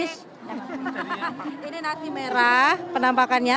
ini nasi merah penampakannya